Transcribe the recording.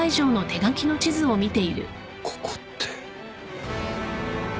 ここって。